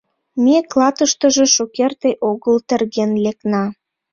— Ме клатыштыже шукерте огыл терген лекна.